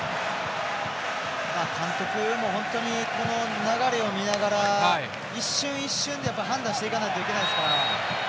監督もこの流れを見ながら一瞬一瞬で判断していかないといけないですから。